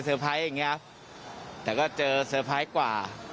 ไพรส์อย่างเงี้ยแต่ก็เจอเซอร์ไพรส์กว่า